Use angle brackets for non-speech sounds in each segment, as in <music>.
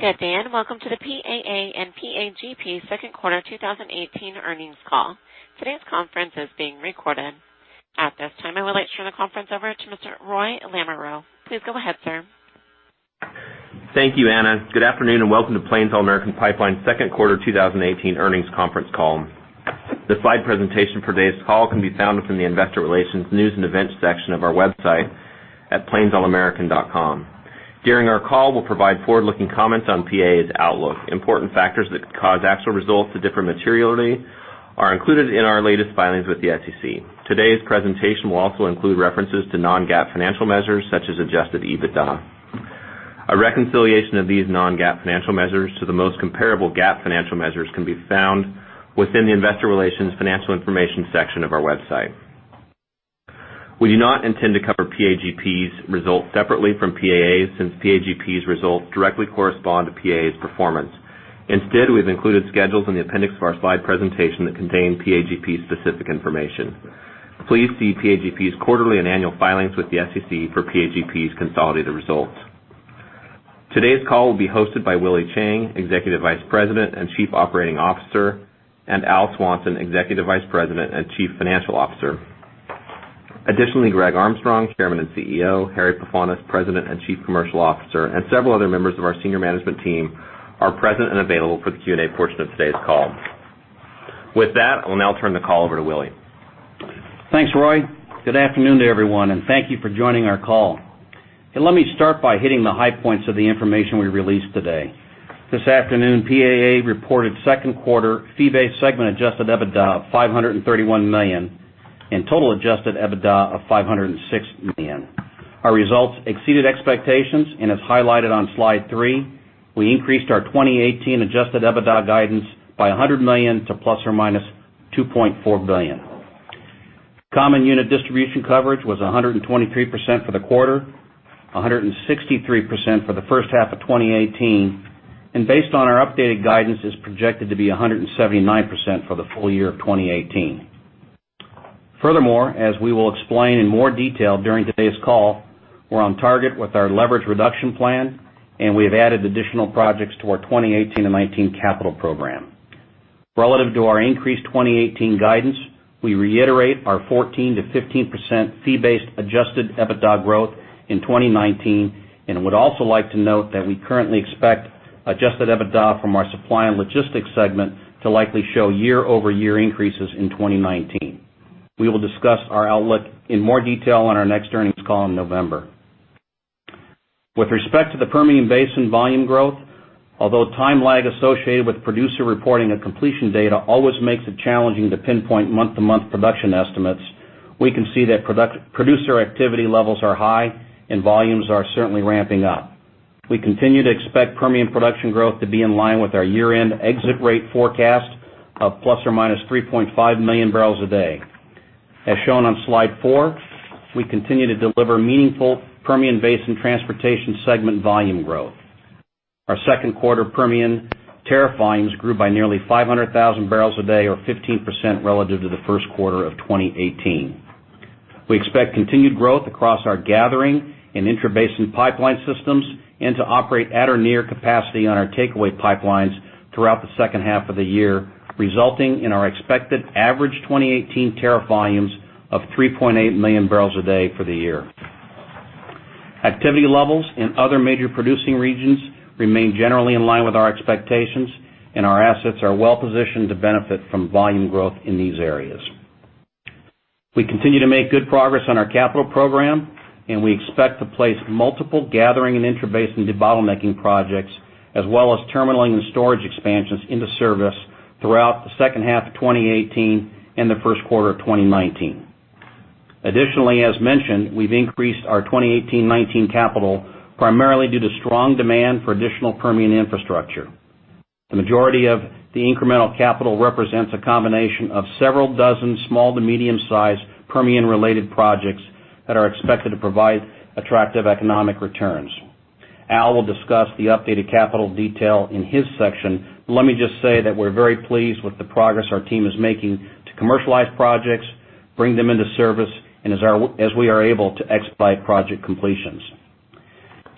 Good day, welcome to the PAA and PAGP second quarter 2018 earnings call. Today's conference is being recorded. At this time, I would like to turn the conference over to Mr. Roy Lamoreaux. Please go ahead, sir. Thank you, Ana. Good afternoon, welcome to Plains All American Pipeline second quarter 2018 earnings conference call. The slide presentation for today's call can be found within the investor relations news and events section of our website at plainsallamerican.com. During our call, we'll provide forward-looking comments on PAA's outlook. Important factors that could cause actual results to differ materially are included in our latest filings with the SEC. Today's presentation will also include references to non-GAAP financial measures such as adjusted EBITDA. A reconciliation of these non-GAAP financial measures to the most comparable GAAP financial measures can be found within the investor relations financial information section of our website. We do not intend to cover PAGP's results separately from PAA's, since PAGP's results directly correspond to PAA's performance. Instead, we've included schedules in the appendix of our slide presentation that contain PAGP's specific information. Please see PAGP's quarterly and annual filings with the SEC for PAGP's consolidated results. Today's call will be hosted by Willie Chiang, Executive Vice President and Chief Operating Officer, and Al Swanson, Executive Vice President and Chief Financial Officer. Additionally, Greg Armstrong, Chairman and CEO, Harry Pefanis, President and Chief Commercial Officer, and several other members of our senior management team are present and available for the Q&A portion of today's call. With that, I will now turn the call over to Willie. Thanks, Roy. Good afternoon to everyone, thank you for joining our call. Let me start by hitting the high points of the information we released today. This afternoon, PAA reported second quarter fee-based segment adjusted EBITDA of $531 million and total adjusted EBITDA of $506 million. Our results exceeded expectations, as highlighted on slide three, we increased our 2018 adjusted EBITDA guidance by $100 million to ±$2.4 billion. Common unit distribution coverage was 123% for the quarter, 163% for the first half of 2018, and based on our updated guidance, is projected to be 179% for the full year of 2018. Furthermore, as we will explain in more detail during today's call, we're on target with our leverage reduction plan, and we have added additional projects to our 2018 and 2019 capital program. Relative to our increased 2018 guidance, we reiterate our 14%-15% fee-based adjusted EBITDA growth in 2019 and would also like to note that we currently expect adjusted EBITDA from our Supply and Logistics segment to likely show year-over-year increases in 2019. We will discuss our outlook in more detail on our next earnings call in November. With respect to the Permian Basin volume growth, although time lag associated with producer reporting and completion data always makes it challenging to pinpoint month-to-month production estimates, we can see that producer activity levels are high and volumes are certainly ramping up. We continue to expect Permian production growth to be in line with our year-end exit rate forecast of ±3.5 million barrels a day. As shown on slide 4, we continue to deliver meaningful Permian Basin transportation segment volume growth. Our second quarter Permian tariff volumes grew by nearly 500,000 barrels a day, or 15% relative to the first quarter of 2018. We expect continued growth across our gathering and intrabasin pipeline systems and to operate at or near capacity on our takeaway pipelines throughout the second half of the year, resulting in our expected average 2018 tariff volumes of 3.8 million barrels a day for the year. Activity levels in other major producing regions remain generally in line with our expectations, and our assets are well-positioned to benefit from volume growth in these areas. We continue to make good progress on our capital program, and we expect to place multiple gathering and intrabasin debottlenecking projects, as well as terminalling and storage expansions into service throughout the second half of 2018 and the first quarter of 2019. As mentioned, we've increased our 2018-2019 capital primarily due to strong demand for additional Permian infrastructure. The majority of the incremental capital represents a combination of several dozen small to medium-sized Permian-related projects that are expected to provide attractive economic returns. Al will discuss the updated capital detail in his section. Let me just say that we're very pleased with the progress our team is making to commercialize projects, bring them into service, and as we are able to expedite project completions.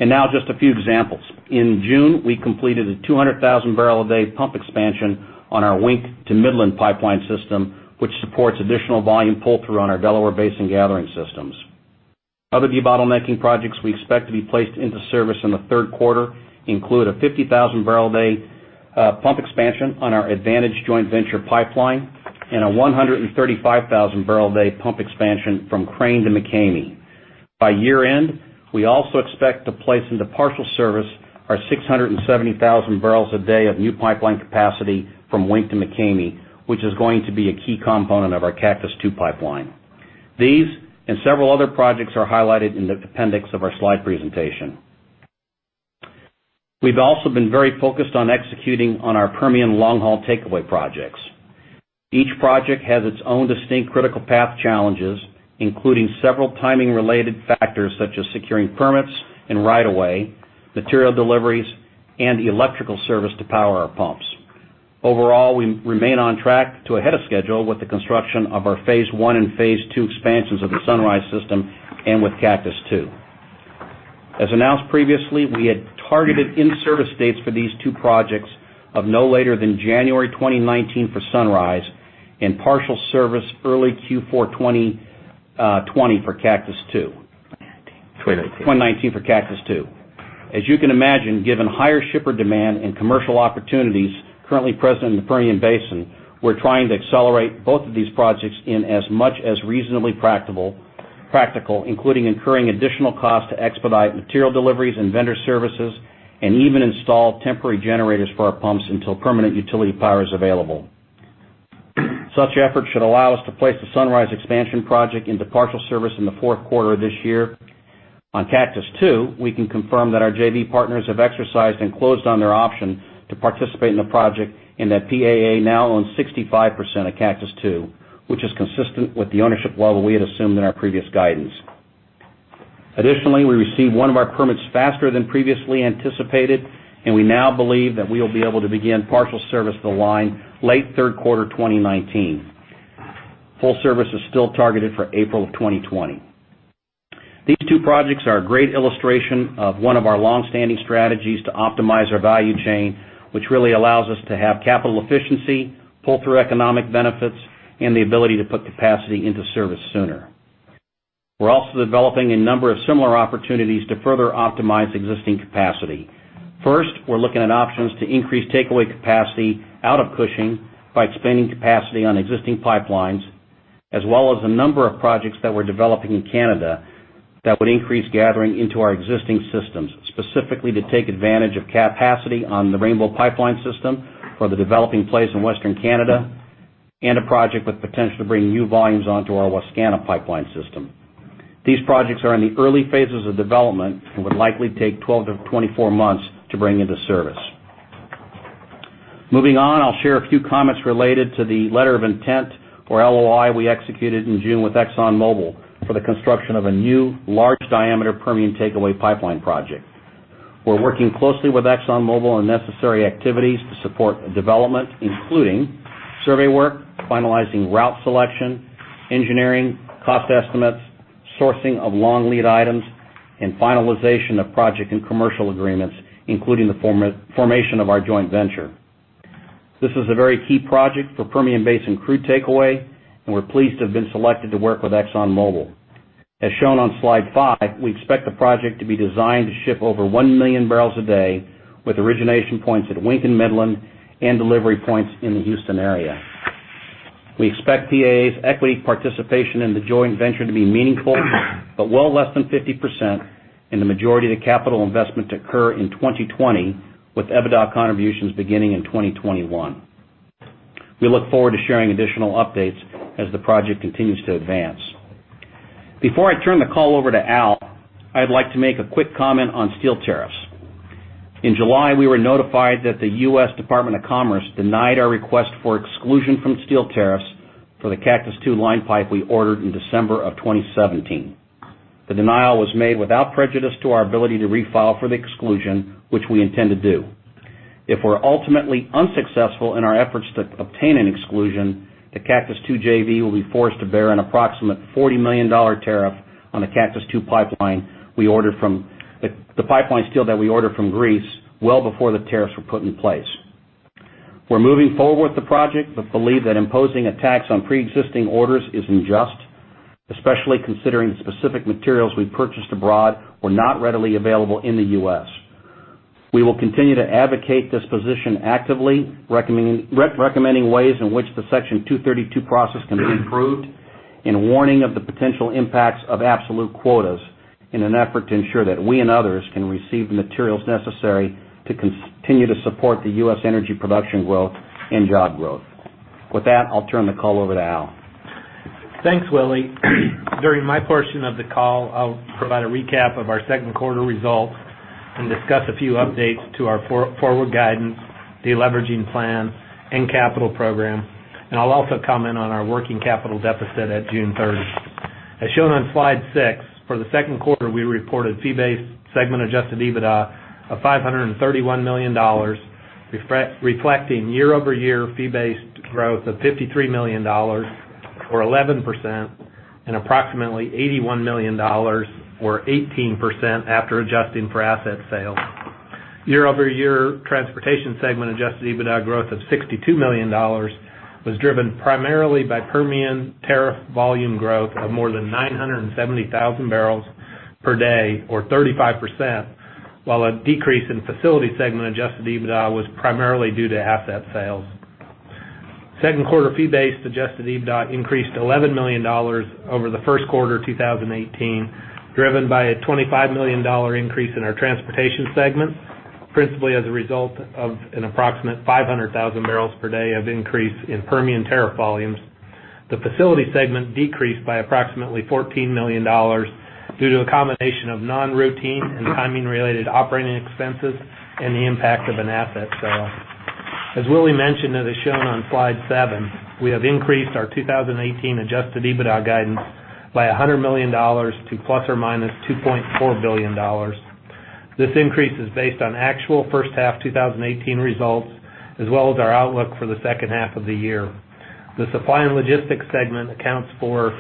Now just a few examples. In June, we completed a 200,000 barrel a day pump expansion on our Wink to Midland pipeline system, which supports additional volume pull through on our Delaware Basin gathering systems. Other debottlenecking projects we expect to be placed into service in the third quarter include a 50,000 barrel a day pump expansion on our Advantage Pipeline and a 135,000 barrel a day pump expansion from Crane to McCamey. By year-end, we also expect to place into partial service our 670,000 barrels a day of new pipeline capacity from Wink to McCamey, which is going to be a key component of our Cactus II pipeline. These and several other projects are highlighted in the appendix of our slide presentation. We've also been very focused on executing on our Permian long-haul takeaway projects. Each project has its own distinct critical path challenges, including several timing-related factors such as securing permits and right of way, material deliveries, and the electrical service to power our pumps. We remain on track to ahead of schedule with the construction of our phase 1 and phase 2 expansions of the Sunrise system and with Cactus II. As announced previously, we had targeted in-service dates for these two projects of no later than January 2019 for Sunrise and partial service early Q4 2020 for Cactus II. 2019. 2019 for Cactus II. Given higher shipper demand and commercial opportunities currently present in the Permian Basin, we're trying to accelerate both of these projects in as much as reasonably practical, including incurring additional cost to expedite material deliveries and vendor services, and even install temporary generators for our pumps until permanent utility power is available. Such efforts should allow us to place the Sunrise expansion project into partial service in the fourth quarter of this year. On Cactus II, we can confirm that our JV partners have exercised and closed on their option to participate in the project and that PAA now owns 65% of Cactus II, which is consistent with the ownership level we had assumed in our previous guidance. We received one of our permits faster than previously anticipated, and we now believe that we will be able to begin partial service of the line late third quarter 2019. Full service is still targeted for April of 2020. These two projects are a great illustration of one of our longstanding strategies to optimize our value chain, which really allows us to have capital efficiency, pull-through economic benefits, and the ability to put capacity into service sooner. We're also developing a number of similar opportunities to further optimize existing capacity. We're looking at options to increase takeaway capacity out of Cushing by expanding capacity on existing pipelines, as well as a number of projects that we're developing in Canada that would increase gathering into our existing systems. To take advantage of capacity on the Rainbow pipeline system for the developing plays in Western Canada and a project with potential to bring new volumes onto our Wascana pipeline system. These projects are in the early phases of development and would likely take 12-24 months to bring into service. I'll share a few comments related to the letter of intent, or LOI, we executed in June with ExxonMobil for the construction of a new large-diameter Permian takeaway pipeline project. We're working closely with ExxonMobil on necessary activities to support development, including survey work, finalizing route selection, engineering, cost estimates, sourcing of long lead items, and finalization of project and commercial agreements, including the formation of our joint venture. This is a very key project for Permian Basin crude takeaway, and we're pleased to have been selected to work with ExxonMobil. As shown on slide five, we expect the project to be designed to ship over 1 million barrels a day with origination points at Wink and Midland and delivery points in the Houston area. We expect PAA's equity participation in the joint venture to be meaningful but well less than 50% and the majority of the capital investment to occur in 2020, with EBITDA contributions beginning in 2021. We look forward to sharing additional updates as the project continues to advance. Before I turn the call over to Al, I'd like to make a quick comment on steel tariffs. In July, we were notified that the U.S. Department of Commerce denied our request for exclusion from steel tariffs for the Cactus II line pipe we ordered in December of 2017. The denial was made without prejudice to our ability to refile for the exclusion, which we intend to do. If we're ultimately unsuccessful in our efforts to obtain an exclusion, the Cactus II JV will be forced to bear an approximate $40 million tariff on the Cactus II pipeline steel that we ordered from Greece well before the tariffs were put in place. We're moving forward with the project, but believe that imposing a tax on preexisting orders is unjust, especially considering the specific materials we purchased abroad were not readily available in the U.S. We will continue to advocate this position actively, recommending ways in which the Section 232 process can be improved and warning of the potential impacts of absolute quotas in an effort to ensure that we and others can receive the materials necessary to continue to support the U.S. energy production growth and job growth. With that, I'll turn the call over to Al. Thanks, Willie. During my portion of the call, I'll provide a recap of our second quarter results and discuss a few updates to our forward guidance, deleveraging plan, and capital program. I'll also comment on our working capital deficit at June 30. As shown on slide six, for the second quarter, we reported fee-based segment adjusted EBITDA of $531 million, reflecting year-over-year fee-based growth of $53 million, or 11%, and approximately $81 million, or 18%, after adjusting for asset sales. Year-over-year Transportation segment adjusted EBITDA growth of $62 million was driven primarily by Permian tariff volume growth of more than 970,000 barrels per day, or 35%, while a decrease in Facility segment adjusted EBITDA was primarily due to asset sales. Second quarter fee-based adjusted EBITDA increased $11 million over the first quarter 2018, driven by a $25 million increase in our Transportation segment, principally as a result of an approximate 500,000 barrels per day of increase in Permian tariff volumes. The Facility segment decreased by approximately $14 million due to a combination of non-routine and timing-related operating expenses and the impact of an asset sale. As Willie mentioned, as is shown on slide seven, we have increased our 2018 adjusted EBITDA guidance by $100 million to ±$2.4 billion. This increase is based on actual first half 2018 results, as well as our outlook for the second half of the year. The Supply and Logistics segment accounts for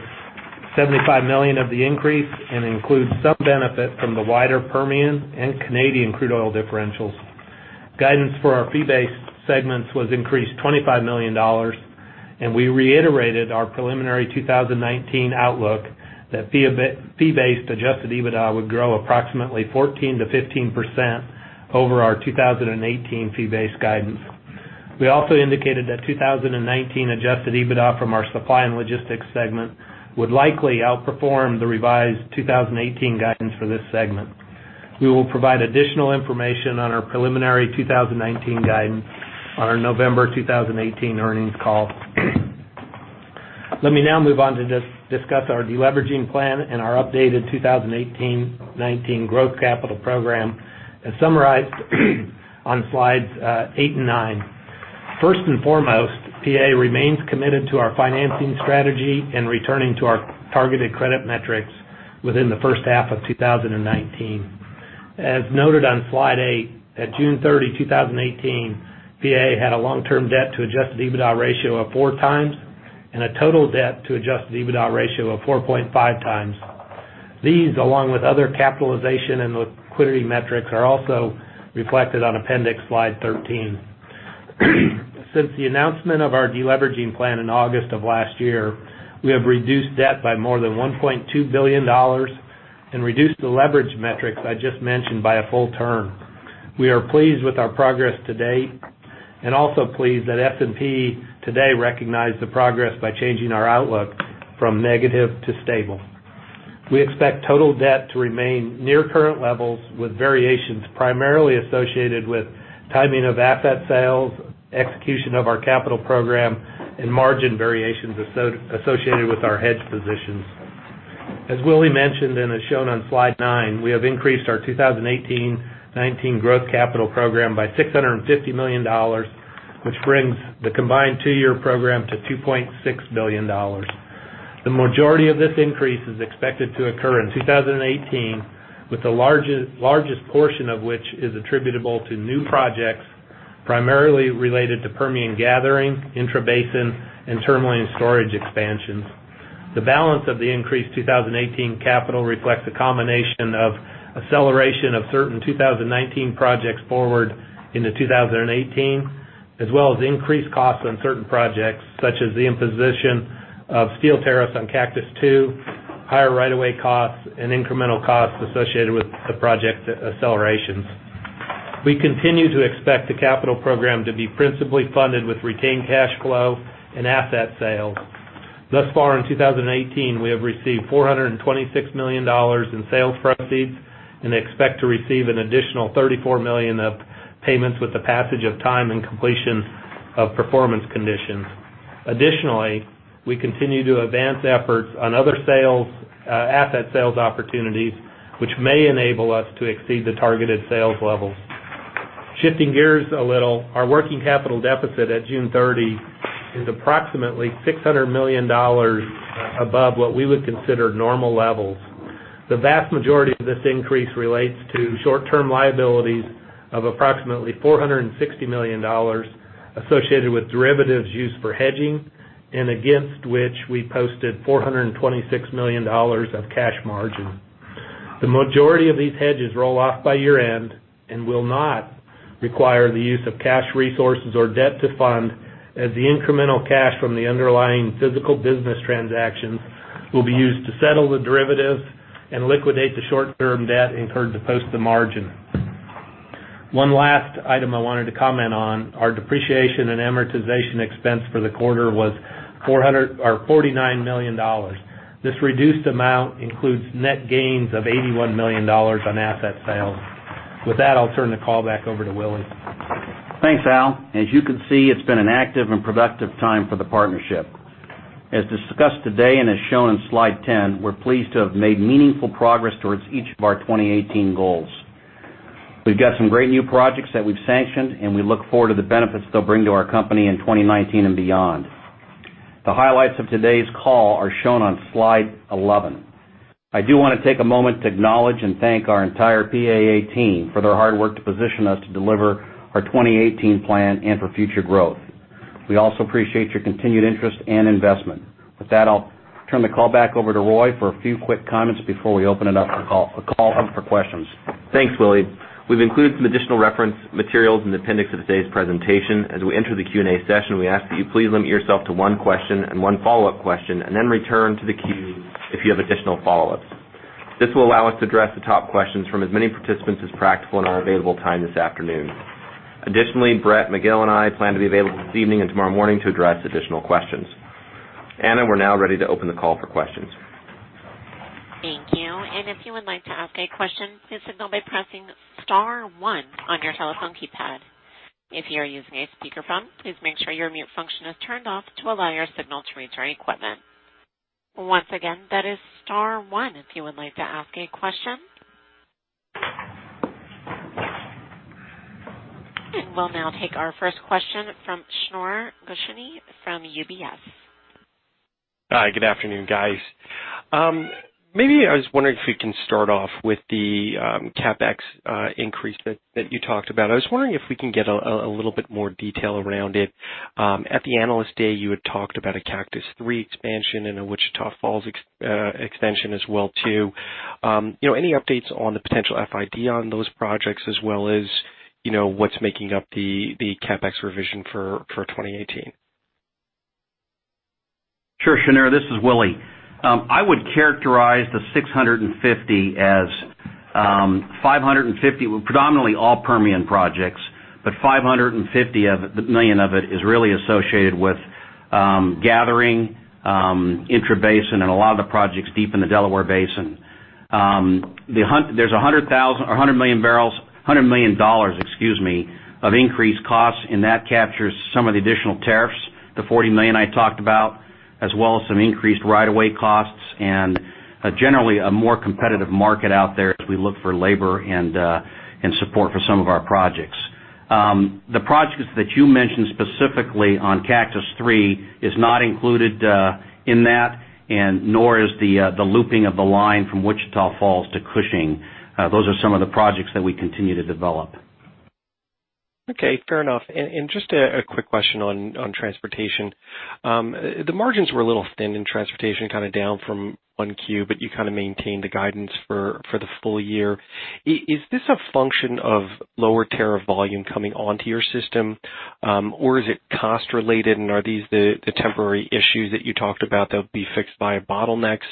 $75 million of the increase and includes some benefit from the wider Permian and Canadian crude oil differentials. Guidance for our fee-based segments was increased $25 million. We reiterated our preliminary 2019 outlook that fee-based adjusted EBITDA would grow approximately 14%-15% over our 2018 fee-based guidance. We also indicated that 2019 adjusted EBITDA from our Supply and Logistics segment would likely outperform the revised 2018 guidance for this segment. We will provide additional information on our preliminary 2019 guidance on our November 2018 earnings call. Let me now move on to discuss our de-leveraging plan and our updated 2018-2019 growth capital program, as summarized on slides eight and nine. First and foremost, PAA remains committed to our financing strategy and returning to our targeted credit metrics within the first half of 2019. As noted on slide eight, at June 30, 2018, PAA had a long-term debt to adjusted EBITDA ratio of four times and a total debt to adjusted EBITDA ratio of 4.5 times. These, along with other capitalization and liquidity metrics, are also reflected on appendix slide 13. Since the announcement of our de-leveraging plan in August of last year, we have reduced debt by more than $1.2 billion and reduced the leverage metrics I just mentioned by a full term. We are pleased with our progress to date and also pleased that S&P today recognized the progress by changing our outlook from negative to stable. We expect total debt to remain near current levels with variations primarily associated with timing of asset sales, execution of our capital program, and margin variations associated with our hedge positions. As Willie mentioned and is shown on slide nine, we have increased our 2018-2019 growth capital program by $650 million, which brings the combined two-year program to $2.6 billion. The majority of this increase is expected to occur in 2018, with the largest portion of which is attributable to new projects, primarily related to Permian gathering, intrabasin, and terminal and storage expansions. The balance of the increased 2018 capital reflects a combination of acceleration of certain 2019 projects forward into 2018, as well as increased costs on certain projects, such as the imposition of steel tariffs on Cactus II, higher right of way costs, and incremental costs associated with the project accelerations. We continue to expect the capital program to be principally funded with retained cash flow and asset sales. Thus far in 2018, we have received $426 million in sales proceeds and expect to receive an additional $34 million of payments with the passage of time and completion of performance conditions. Additionally, we continue to advance efforts on other asset sales opportunities, which may enable us to exceed the targeted sales levels. Shifting gears a little, our working capital deficit at June 30 is approximately $600 million above what we would consider normal levels. The vast majority of this increase relates to short-term liabilities of approximately $460 million associated with derivatives used for hedging, and against which we posted $426 million of cash margin. The majority of these hedges roll off by year-end and will not require the use of cash resources or debt to fund, as the incremental cash from the underlying physical business transactions will be used to settle the derivative and liquidate the short-term debt incurred to post the margin. One last item I wanted to comment on, our depreciation and amortization expense for the quarter was $49 million. This reduced amount includes net gains of $81 million on asset sales. With that, I'll turn the call back over to Willie. Thanks, Al. As you can see, it's been an active and productive time for the partnership. As discussed today and as shown in slide 10, we're pleased to have made meaningful progress towards each of our 2018 goals. We've got some great new projects that we've sanctioned, and we look forward to the benefits they'll bring to our company in 2019 and beyond. The highlights of today's call are shown on slide 11. I do want to take a moment to acknowledge and thank our entire PAA team for their hard work to position us to deliver our 2018 plan and for future growth. We also appreciate your continued interest and investment. With that, I'll turn the call back over to Roy for a few quick comments before we open it up for questions. Thanks, Willie. We've included some additional reference materials in the appendix of today's presentation. As we enter the Q&A session, we ask that you please limit yourself to one question and one follow-up question, and then return to the queue if you have additional follow-ups. This will allow us to address the top questions from as many participants as practical in our available time this afternoon. Additionally, Brett, Miguel, and I plan to be available this evening and tomorrow morning to address additional questions. Ana, we're now ready to open the call for questions. Thank you. If you would like to ask a question, please signal by pressing star one on your telephone keypad. If you are using a speakerphone, please make sure your mute function is turned off to allow your signal to reach our equipment. Once again, that is star one if you would like to ask a question. We'll now take our first question from Shneur Gershuni from UBS. Hi. Good afternoon, guys. Maybe I was wondering if we can start off with the CapEx increase that you talked about. I was wondering if we can get a little bit more detail around it. At the Analyst Day, you had talked about a Cactus III expansion and a Wichita Falls extension as well too. Any updates on the potential FID on those projects as well as what's making up the CapEx revision for 2018? Sure, Shneur. This is Willie. I would characterize the 650 as 550 were predominantly all Permian projects, but $550 million of it is really associated with gathering intrabasin and a lot of the projects deep in the Delaware Basin. There's $100 million of increased costs. That captures some of the additional tariffs, the $40 million I talked about, as well as some increased right of way costs and generally a more competitive market out there as we look for labor and support for some of our projects. The projects that you mentioned specifically on Cactus III is not included in that. Nor is the looping of the line from Wichita Falls to Cushing. Those are some of the projects that we continue to develop. Okay. Fair enough. Just a quick question on transportation. The margins were a little thin in transportation, down from 1Q, but you kind of maintained the guidance for the full year. Is this a function of lower tariff volume coming onto your system? Is it cost related, and are these the temporary issues that you talked about that will be fixed by bottlenecks?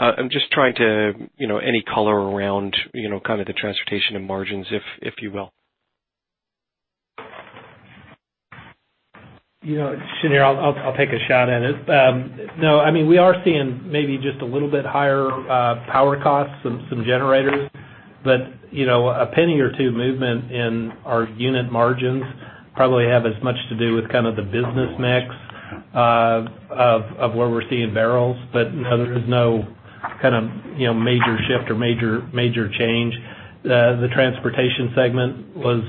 I'm just trying to get any color around the transportation and margins, if you will. Shneur, I'll take a shot at it. No, we are seeing maybe just a little bit higher power costs, some generators. A penny or two movement in our unit margins probably have as much to do with the business mix of where we're seeing barrels. There's no major shift or major change. The transportation segment was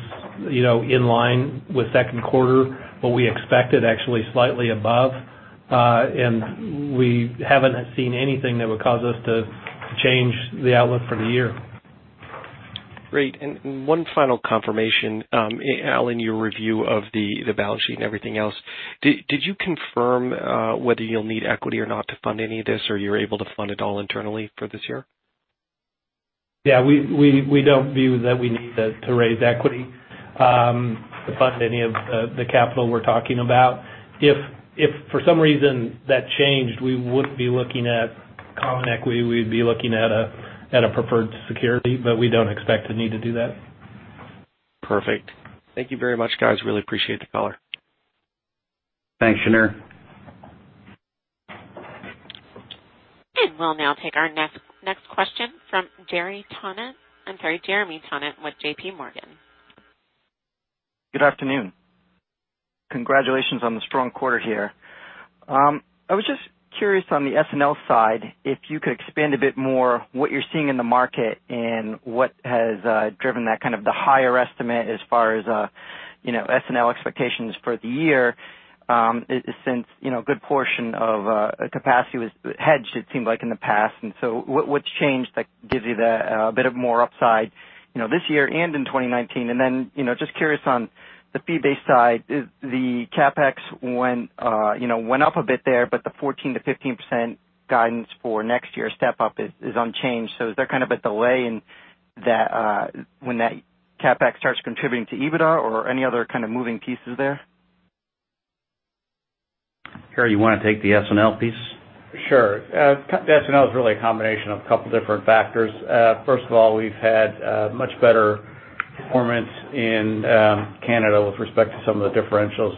in line with second quarter, what we expected, actually slightly above. We haven't seen anything that would cause us to change the outlook for the year. Great. One final confirmation. Al, in your review of the balance sheet and everything else, did you confirm whether you'll need equity or not to fund any of this, or you're able to fund it all internally for this year? Yeah, we don't view that we need to raise equity to fund any of the capital we're talking about. If for some reason that changed, we wouldn't be looking at common equity. We'd be looking at a preferred security, we don't expect to need to do that. Perfect. Thank you very much, guys. Really appreciate the color. Thanks, Shneur. We'll now take our next question from Jeremy Tonet with JPMorgan. Good afternoon. Congratulations on the strong quarter here. I was just curious on the S&L side, if you could expand a bit more what you're seeing in the market and what has driven that kind of the higher estimate as far as S&L expectations for the year. Since a good portion of capacity was hedged, it seemed like in the past. What's changed that gives you the bit of more upside this year and in 2019? Then, just curious on the fee-based side, the CapEx went up a bit there, but the 14%-15% guidance for next year step-up is unchanged. Is there a delay when that CapEx starts contributing to EBITDA or any other kind of moving pieces there? Harry, you want to take the S&L piece? Sure. The S&L is really a combination of two different factors. First of all, we've had much better performance in Canada with respect to some of the differentials,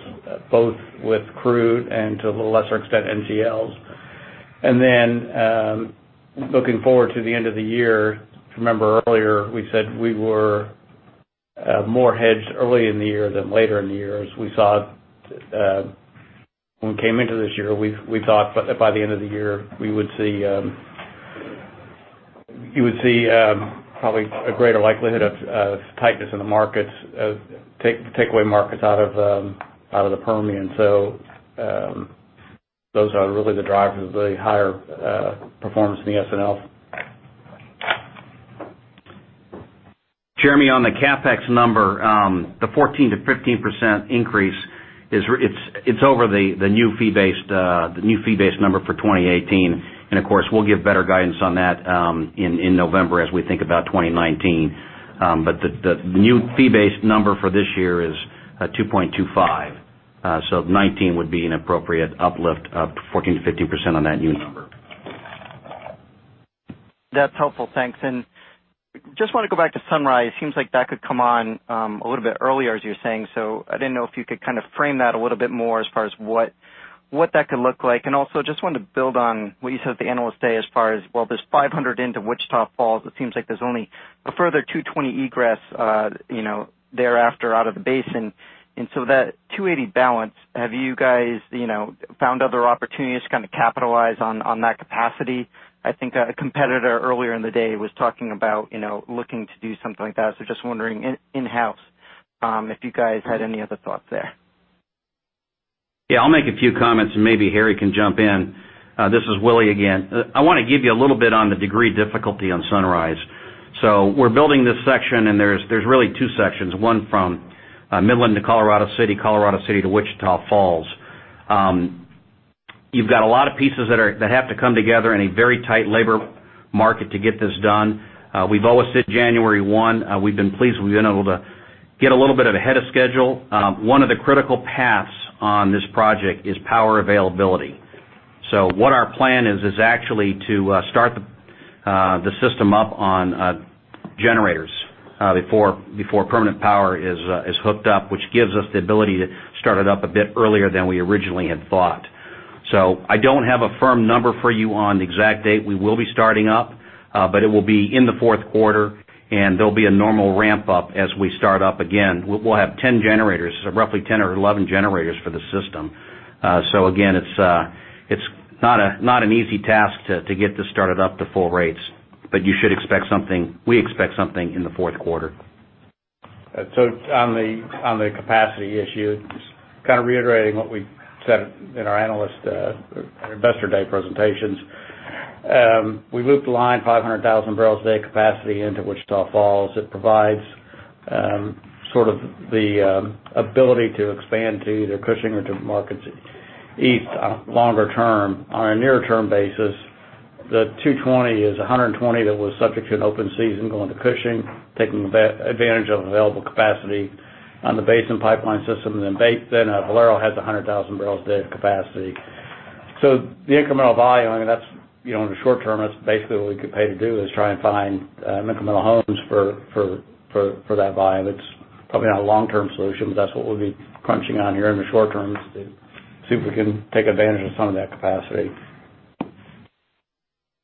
both with crude and to a little lesser extent, NGLs. Looking forward to the end of the year, if you remember earlier, we said we were more hedged early in the year than later in the year. When we came into this year, we thought by the end of the year we would see probably a greater likelihood of tightness in the markets, take away markets out of the Permian. Those are really the drivers of the higher performance in the S&L. Jeremy, on the CapEx number, the 14%-15% increase, it's over the new fee-based number for 2018. Of course, we'll give better guidance on that in November as we think about 2019. The new fee-based number for this year is $2.25. 2019 would be an appropriate uplift of 14%-15% on that new number. That's helpful. Thanks. Just want to go back to Sunrise. Seems like that could come on a little bit earlier, as you were saying. I didn't know if you could kind of frame that a little bit more as far as what that could look like. Also just wanted to build on what you said at the Analyst Day as far as, well, there's 500 into Wichita Falls. It seems like there's only a further 220 egress thereafter out of the basin. That 280 balance, have you guys found other opportunities to capitalize on that capacity? I think a competitor earlier in the day was talking about looking to do something like that. Just wondering in-house, if you guys had any other thoughts there. Yeah, I'll make a few comments and maybe Harry can jump in. This is Willie again. I want to give you a little bit on the degree difficulty on Sunrise. We're building this section, and there's really two sections. One from Midland to Colorado City, Colorado City to Wichita Falls. You've got a lot of pieces that have to come together in a very tight labor market to get this done. We've always said January 1. We've been pleased we've been able to get a little bit ahead of schedule. One of the critical paths on this project is power availability. What our plan is actually to start the system up on generators before permanent power is hooked up, which gives us the ability to start it up a bit earlier than we originally had thought. I don't have a firm number for you on the exact date we will be starting up, but it will be in the fourth quarter, and there'll be a normal ramp-up as we start up again. We'll have 10 generators, roughly 10 or 11 generators for the system. Again, it's not an easy task to get this started up to full rates, but we expect something in the fourth quarter. On the capacity issue, just reiterating what we said in our investor day presentations. We moved the line 500,000 barrels a day capacity into Wichita Falls. It provides the ability to expand to either Cushing or to markets east longer term. On a near-term basis, the 220 is 120 that was subject to an open season going to Cushing, taking advantage of available capacity on the Basin pipeline system. Then Valero has 100,000 barrels a day of capacity. The incremental volume, in the short term, that's basically what we could pay to do, is try and find incremental homes for that volume. It's probably not a long-term solution, but that's what we'll be crunching on here in the short term to see if we can take advantage of some of that capacity.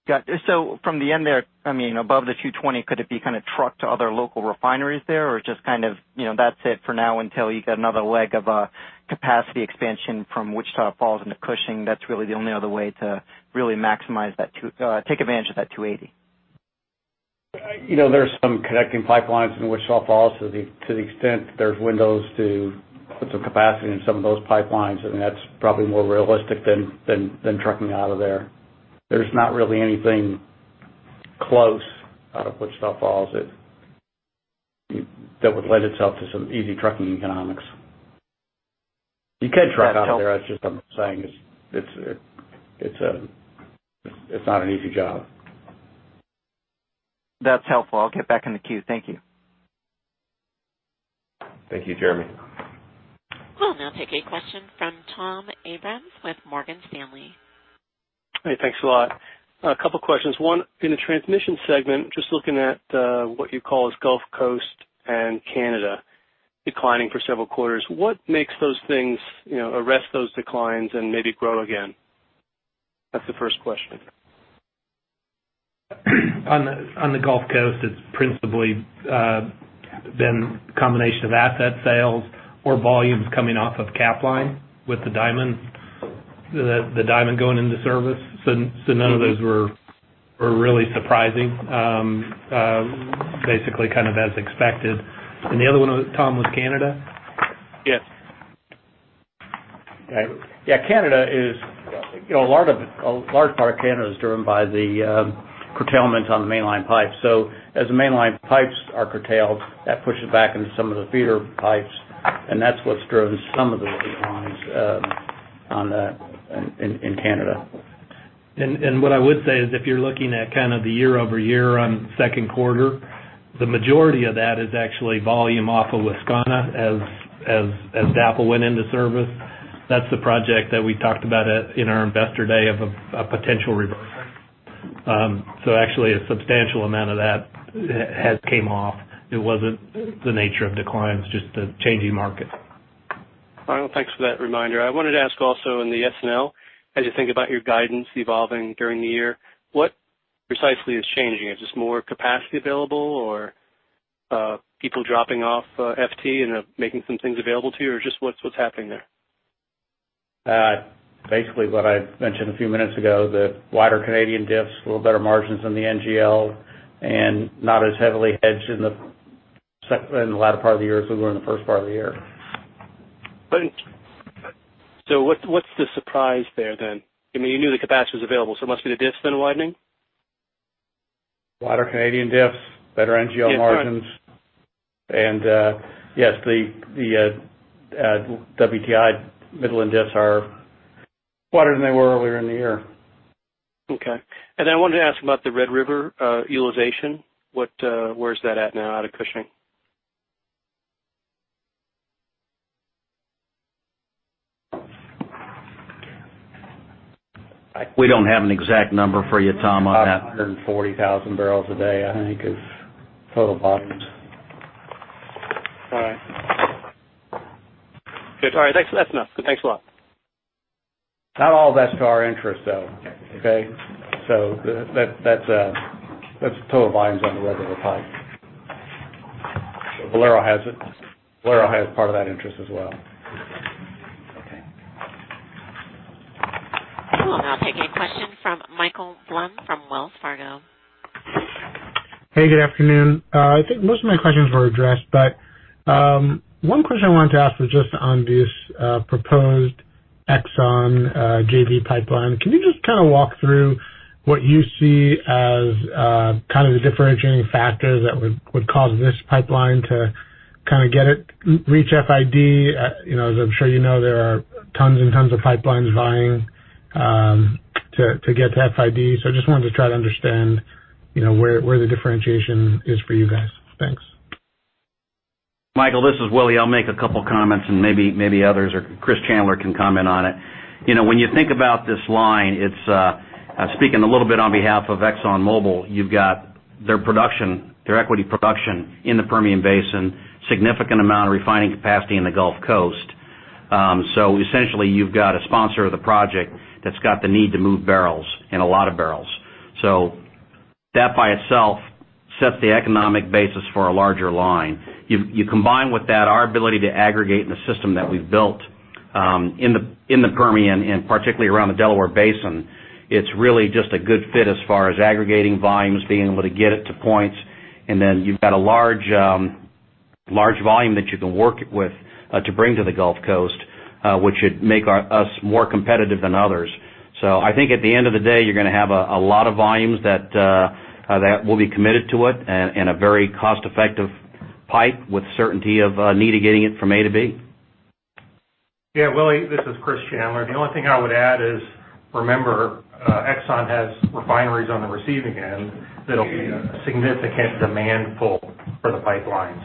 Got you. From the end there, above the 220, could it be trucked to other local refineries there? Or just that's it for now until you get another leg of a capacity expansion from Wichita Falls into Cushing, that's really the only other way to really take advantage of that 280? There are some connecting pipelines into Wichita Falls to the extent there's windows to put some capacity in some of those pipelines, that's probably more realistic than trucking out of there. There's not really anything close out of Wichita Falls that would lend itself to some easy trucking economics. You could truck out of there, that's just what I'm saying, it's not an easy job. That's helpful. I'll get back in the queue. Thank you. Thank you, Jeremy. We'll now take a question from Tom Abrams with Morgan Stanley. Hey, thanks a lot. A couple questions. One, in the transmission segment, just looking at what you call as Gulf Coast and Canada declining for several quarters. What makes those things arrest those declines and maybe grow again? That's the first question. On the Gulf Coast, it's principally been a combination of asset sales or volumes coming off of Capline with the Diamond going into service. None of those were really surprising. Basically as expected. The other one, Tom, was Canada? Yes. Yeah. A large part of Canada is driven by the curtailment on the mainline pipe. As the mainline pipes are curtailed, that pushes back into some of the feeder pipes, and that's what's driven some of the declines in Canada. What I would say is if you're looking at the year-over-year on second quarter, the majority of that is actually volume off of Wascana as DAPL went into service. That's the project that we talked about in our investor day of a potential reversal. Actually, a substantial amount of that has came off. It wasn't the nature of declines, just the changing market. All right. Well, thanks for that reminder. I wanted to ask also in the S&L, as you think about your guidance evolving during the year, what precisely is changing? Is this more capacity available or people dropping off FT and making some things available to you, or just what's happening there? Basically what I mentioned a few minutes ago, the wider Canadian diffs, a little better margins in the NGL, and not as heavily hedged in the latter part of the year as we were in the first part of the year. What's the surprise there then? You knew the capacity was available, so it must be the diffs then widening? Wider Canadian diffs, better NGL margins. Yes, sorry. Yes. The WTI Midland diffs are wider than they were earlier in the year. Okay. I wanted to ask about the Red River utilization. Where is that at now out of Cushing? We don't have an exact number for you, Tom, on that. About 140,000 barrels a day, I think is total volumes. All right. Good. All right. That's enough. Good. Thanks a lot. Not all that's to our interest, though. Okay. Okay? That's total volumes on the <inaudible> pipe. Valero has part of that interest as well. Okay. We'll now take a question from Michael Blum from Wells Fargo. Good afternoon. I think most of my questions were addressed, one question I wanted to ask was just on this proposed Exxon JV pipeline. Can you just walk through what you see as the differentiating factor that would cause this pipeline to reach FID? As I'm sure you know, there are tons and tons of pipelines vying to get to FID. I just wanted to try to understand where the differentiation is for you guys. Thanks. Michael, this is Willie. I'll make a couple comments and maybe others or Chris Chandler can comment on it. When you think about this line, speaking a little on behalf of ExxonMobil, you've got their equity production in the Permian Basin, significant amount of refining capacity in the Gulf Coast. Essentially you've got a sponsor of the project that's got the need to move barrels, and a lot of barrels. That by itself sets the economic basis for a larger line. You combine with that our ability to aggregate in the system that we've built in the Permian and particularly around the Delaware Basin, it's really just a good fit as far as aggregating volumes, being able to get it to points. You've got a large volume that you can work with to bring to the Gulf Coast, which would make us more competitive than others. I think at the end of the day, you're going to have a lot of volumes that will be committed to it and a very cost-effective pipe with certainty of need of getting it from A to B. Yeah, Willie, this is Chris Chandler. The only thing I would add is, remember, Exxon has refineries on the receiving end that'll be a significant demand pull for the pipeline.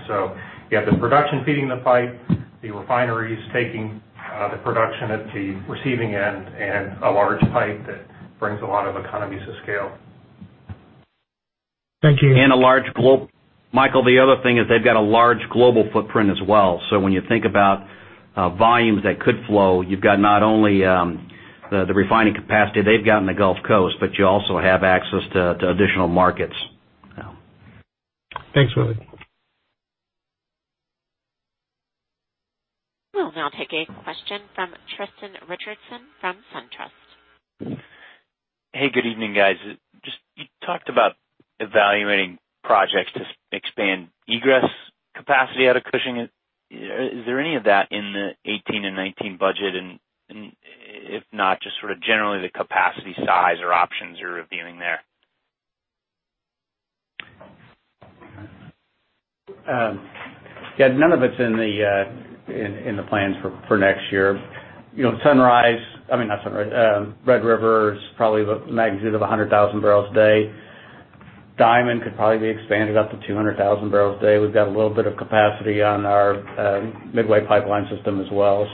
You have the production feeding the pipe, the refineries taking the production at the receiving end, and a large pipe that brings a lot of economies of scale. Thank you. Michael, the other thing is they've got a large global footprint as well. When you think about volumes that could flow, you've got not only the refining capacity they've got in the Gulf Coast, but you also have access to additional markets. Thanks, Willie. We'll now take a question from Tristan Richardson from SunTrust. Hey, good evening, guys. You talked about evaluating projects to expand egress capacity out of Cushing. Is there any of that in the 2018 and 2019 budget? If not, just sort of generally the capacity size or options you're reviewing there? Yeah, none of it's in the plans for next year. Red River is probably the magnitude of 100,000 barrels a day. Diamond could probably be expanded up to 200,000 barrels a day. We've got a little bit of capacity on our Midway Pipeline system as well.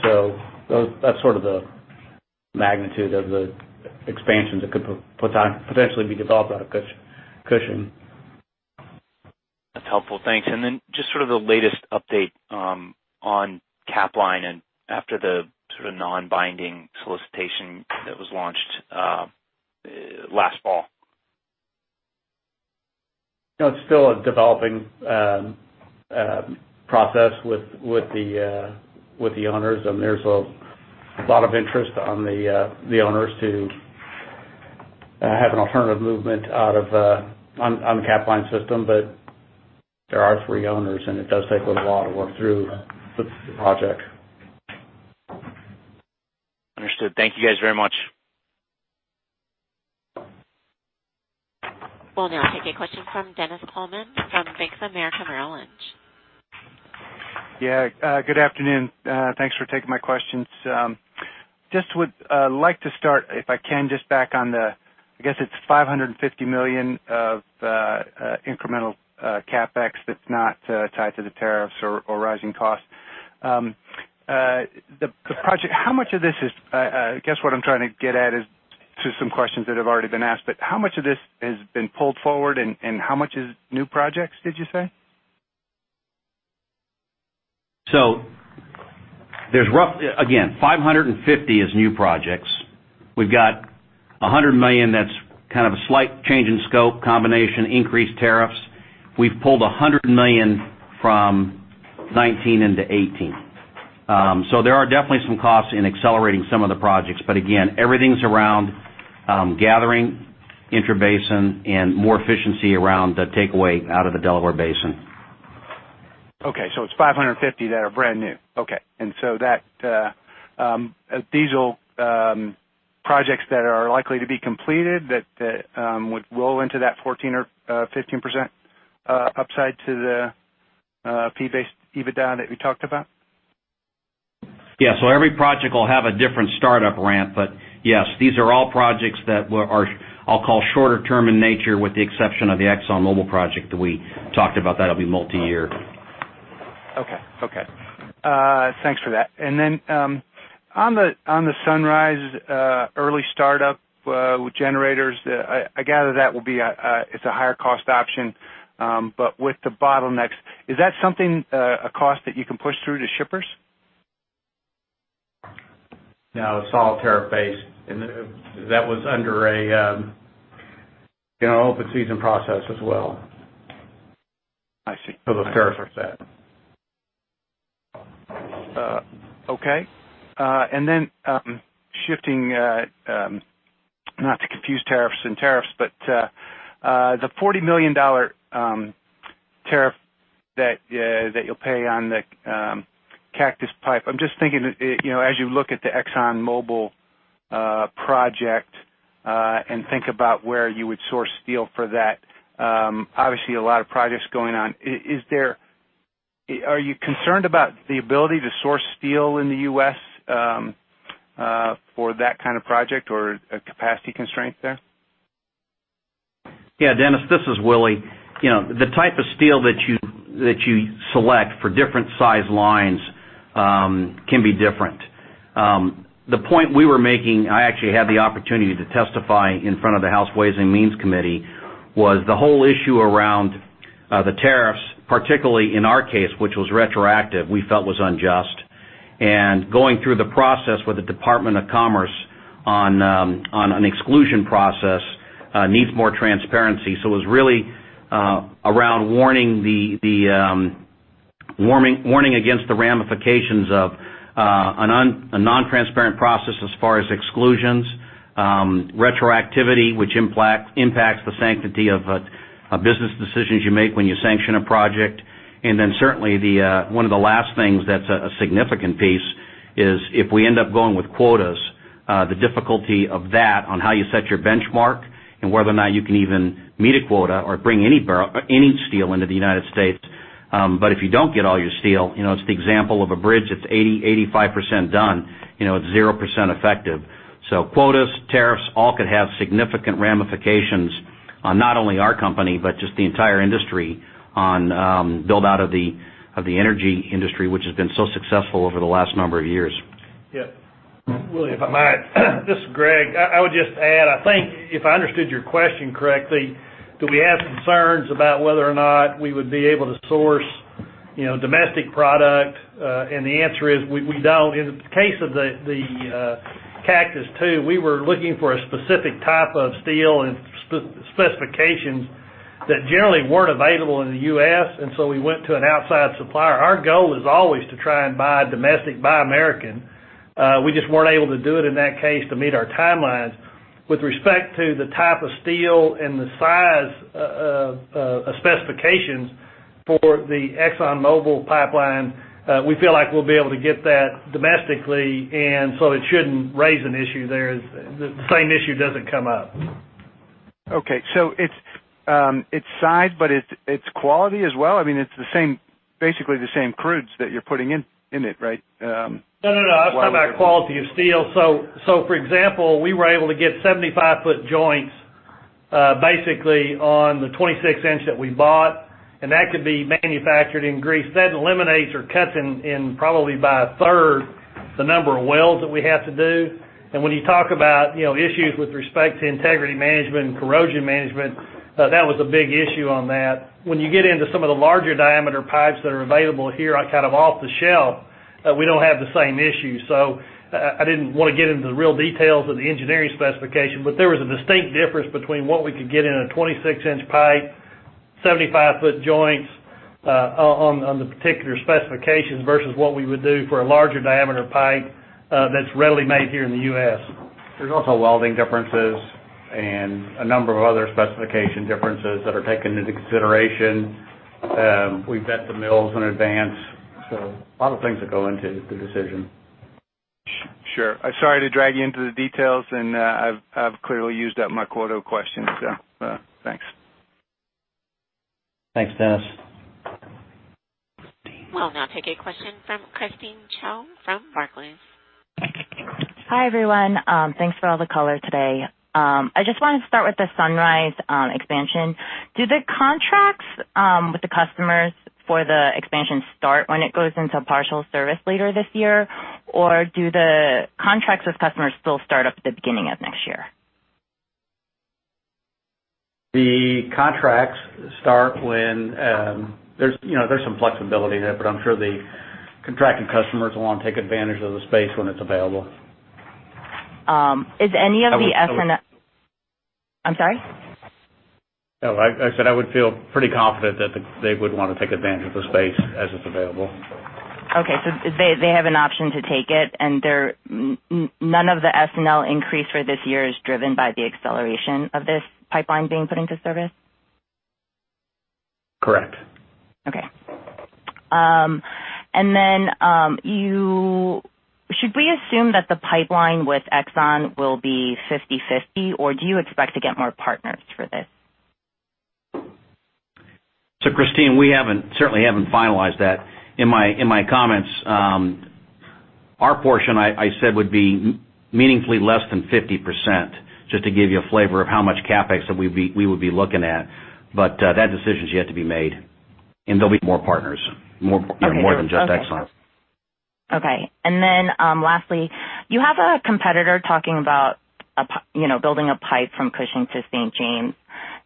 That's sort of the magnitude of the expansions that could potentially be developed out of Cushing. That's helpful. Thanks. Just sort of the latest update on Capline after the sort of non-binding solicitation that was launched last fall. It's still a developing process with the owners. There's a lot of interest on the owners to have an alternative movement on the Capline system. There are three owners, and it does take a little while to work through the project. Understood. Thank you guys very much. We'll now take a question from Dennis Coleman from Bank of America Merrill Lynch. Yeah. Good afternoon. Thanks for taking my questions. Just would like to start, if I can, just back on the, I guess it's $550 million of incremental CapEx that's not tied to the tariffs or rising costs. I guess what I'm trying to get at is to some questions that have already been asked, but how much of this has been pulled forward and how much is new projects, did you say? Again, $550 is new projects. We've got $100 million that's kind of a slight change in scope, combination, increased tariffs. We've pulled $100 million from 2019 into 2018. There are definitely some costs in accelerating some of the projects. Again, everything's around gathering intrabasin and more efficiency around the takeaway out of the Delaware Basin. Okay, it's 550 that are brand new. Okay. These are projects that are likely to be completed that would roll into that 14% or 15% upside to the fee-based EBITDA that we talked about? Yeah. Every project will have a different startup ramp, but yes, these are all projects that are, I'll call shorter term in nature, with the exception of the ExxonMobil project that we talked about. That'll be multi-year. Okay. Thanks for that. Then on the Sunrise early startup with generators, I gather it's a higher cost option with the bottlenecks, is that a cost that you can push through to shippers? No, it's all tariff-based. That was under an open-season process as well. I see. Those tariffs are set. Okay. Then shifting, not to confuse tariffs and tariffs, but the $40 million tariff that you'll pay on the Cactus pipe. I'm just thinking, as you look at the ExxonMobil project and think about where you would source steel for that, obviously a lot of projects going on. Are you concerned about the ability to source steel in the U.S. for that kind of project or a capacity constraint there? Yeah, Dennis, this is Willie. The type of steel that you select for different size lines can be different. The point we were making, I actually had the opportunity to testify in front of the House Ways and Means Committee, was the whole issue around the tariffs, particularly in our case, which was retroactive, we felt was unjust. Going through the process with the Department of Commerce on an exclusion process needs more transparency. It was really around warning against the ramifications of a non-transparent process as far as exclusions, retroactivity, which impacts the sanctity of business decisions you make when you sanction a project. One of the last things that's a significant piece is if we end up going with quotas, the difficulty of that on how you set your benchmark and whether or not you can even meet a quota or bring any steel into the U.S. If you don't get all your steel, it's the example of a bridge that's 80%-85% done. It's 0% effective. Quotas, tariffs, all could have significant ramifications on not only our company, but just the entire industry on build-out of the energy industry, which has been so successful over the last number of years. Yeah. Willie, if I might. This is Greg. I would just add, I think if I understood your question correctly, do we have concerns about whether or not we would be able to source domestic product? The answer is, we don't. In the case of the Cactus II, we were looking for a specific type of steel and specifications that generally weren't available in the U.S. We went to an outside supplier. Our goal is always to try and buy domestic, buy American. We just weren't able to do it in that case to meet our timelines. With respect to the type of steel and the size of specifications for the ExxonMobil pipeline, we feel like we'll be able to get that domestically. It shouldn't raise an issue there. The same issue doesn't come up. Okay. It's size, it's quality as well? It's basically the same crudes that you're putting in it, right? No. I was talking about quality of steel. For example, we were able to get 75-foot joints basically on the 26-inch that we bought. That could be manufactured in Greece. That eliminates or cuts in probably by a third the number of welds that we have to do. When you talk about issues with respect to integrity management and corrosion management, that was a big issue on that. When you get into some of the larger diameter pipes that are available here off the shelf, we don't have the same issues. I didn't want to get into the real details of the engineering specification, but there was a distinct difference between what we could get in a 26-inch pipe, 75-foot joints on the particular specifications versus what we would do for a larger diameter pipe that's readily made here in the U.S. There's also welding differences and a number of other specification differences that are taken into consideration. We vet the mills in advance. A lot of things that go into the decision. Sure. Sorry to drag you into the details. I've clearly used up my quota of questions. Thanks. Thanks, Dennis. We'll now take a question from Christine Cho from Barclays. Hi, everyone. Thanks for all the color today. I just wanted to start with the Sunrise expansion. Do the contracts with the customers for the expansion start when it goes into partial service later this year? Do the contracts with customers still start up at the beginning of next year? There's some flexibility there, but I'm sure the contracted customers will want to take advantage of the space when it's available. Is any of the-- I'm sorry? No, I said I would feel pretty confident that they would want to take advantage of the space as it's available. Okay. They have an option to take it, and none of the S&L increase for this year is driven by the acceleration of this pipeline being put into service? Correct. Okay. Should we assume that the pipeline with Exxon will be 50/50, or do you expect to get more partners for this? Christine, we certainly haven't finalized that. In my comments, our portion I said would be meaningfully less than 50%, just to give you a flavor of how much CapEx that we would be looking at. That decision is yet to be made, and there'll be more partners. More than just Exxon. Okay. Lastly, you have a competitor talking about building a pipe from Cushing to St. James.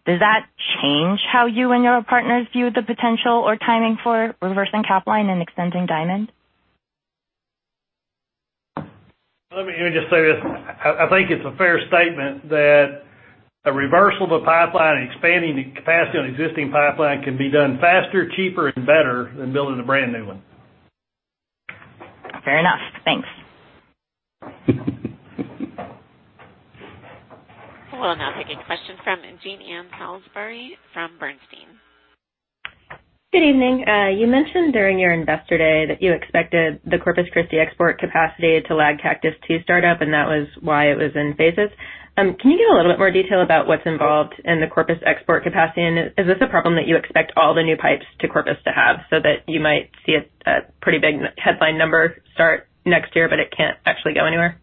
Does that change how you and your partners view the potential or timing for reversing Capline and extending Diamond? Let me just say this. I think it's a fair statement that a reversal of a pipeline and expanding the capacity on existing pipeline can be done faster, cheaper, and better than building a brand-new one. Fair enough. Thanks. We'll now take a question from Jean Ann Salisbury from Bernstein. Good evening. You mentioned during your Investor Day that you expected the Corpus Christi export capacity to lag Cactus II startup, and that was why it was in phases. Can you give a little bit more detail about what's involved in the Corpus export capacity, and is this a problem that you expect all the new pipes to Corpus to have, so that you might see a pretty big headline number start next year, but it can't actually go anywhere?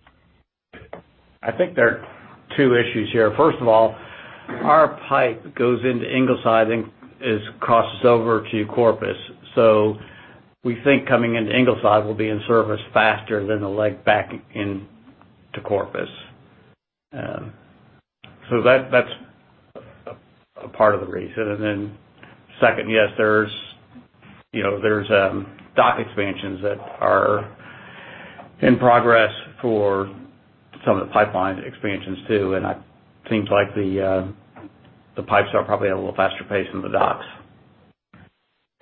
I think there are two issues here. First of all, our pipe goes into Ingleside and crosses over to Corpus. We think coming into Ingleside will be in service faster than the leg back into Corpus. That's a part of the reason. Second, yes, there's dock expansions that are in progress for some of the pipeline expansions too, and it seems like the pipes are probably at a little faster pace than the docks.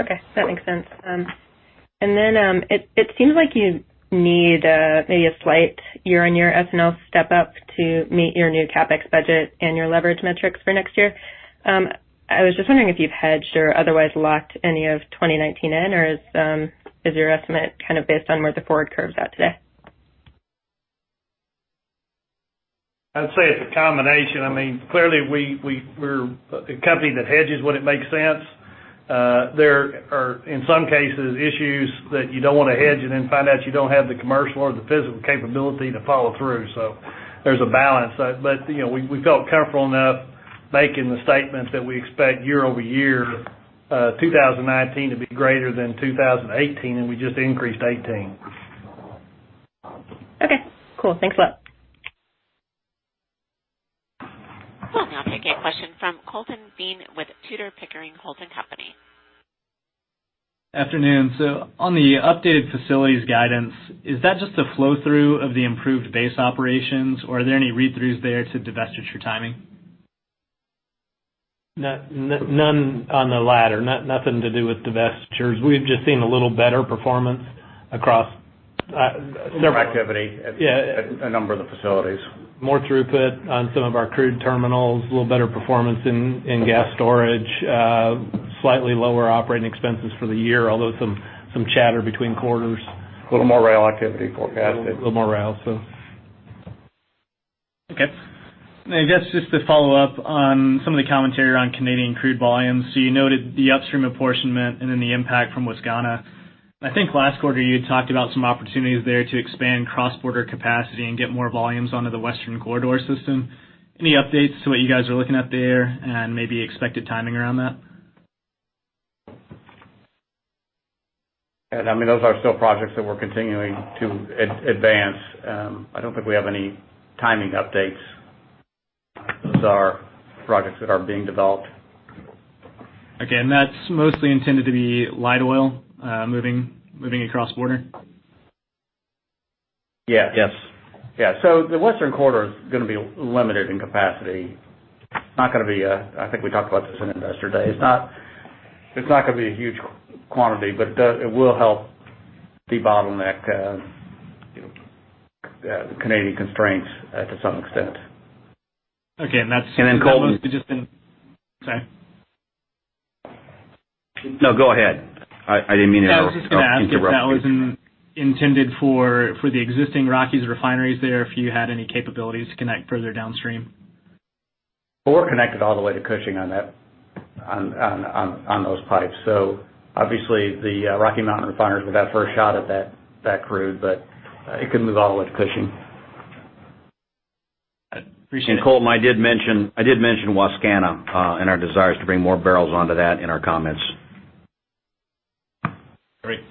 Okay. That makes sense. It seems like you need maybe a slight year-on-year S&L step up to meet your new CapEx budget and your leverage metrics for next year. I was just wondering if you've hedged or otherwise locked any of 2019 in, or is your estimate kind of based on where the forward curve's at today? I'd say it's a combination. Clearly, we're a company that hedges when it makes sense. There are, in some cases, issues that you don't want to hedge and then find out you don't have the commercial or the physical capability to follow through. There's a balance. We felt comfortable enough making the statement that we expect year-over-year 2019 to be greater than 2018, and we just increased '18. Okay, cool. Thanks a lot. We'll now take a question from Colton Bean with Tudor, Pickering, Holt & Co. Afternoon. On the updated facilities guidance, is that just a flow-through of the improved base operations, or are there any read-throughs there to divestiture timing? None on the latter. Nothing to do with divestitures. We've just seen a little better performance across several- More activity at a number of the facilities. More throughput on some of our crude terminals, a little better performance in gas storage, slightly lower operating expenses for the year, although some chatter between quarters. A little more rail activity forecasted. A little more rail. Okay. I guess just to follow up on some of the commentary around Canadian crude volumes. You noted the upstream apportionment and then the impact from Wascana. I think last quarter you had talked about some opportunities there to expand cross-border capacity and get more volumes onto the Western Corridor system. Any updates to what you guys are looking at there and maybe expected timing around that? Those are still projects that we're continuing to advance. I don't think we have any timing updates. Those are projects that are being developed. Okay. That's mostly intended to be light oil moving across border? Yes. The Western Corridor is going to be limited in capacity. I think we talked about this on Investor Day. It's not going to be a huge quantity, but it will help debottleneck Canadian constraints to some extent. Okay. Colton. Sorry. No, go ahead. I didn't mean to interrupt you. I was just going to ask if that was intended for the existing Rockies refineries there, if you had any capabilities to connect further downstream. We're connected all the way to Cushing on those pipes. Obviously, the Rocky Mountain refiners will get first shot at that crude, but it can move all the way to Cushing. Appreciate that. Colton, I did mention Wascana and our desires to bring more barrels onto that in our comments. Great.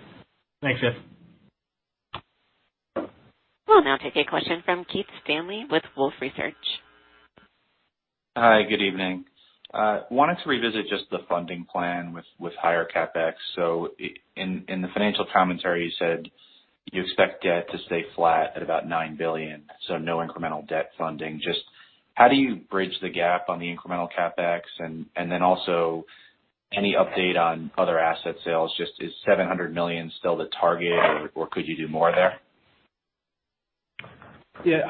Thanks, guys. We'll now take a question from Keith Stanley with Wolfe Research. Hi, good evening. Wanted to revisit just the funding plan with higher CapEx. In the financial commentary, you said you expect debt to stay flat at about $9 billion, so no incremental debt funding. Just how do you bridge the gap on the incremental CapEx, and then also any update on other asset sales? Is $700 million still the target, or could you do more there?